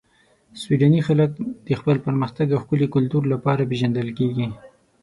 سویدني خلک د خپل پرمختګ او ښکلي کلتور لپاره پېژندل کیږي.